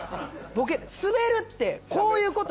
スベるってこういうことや。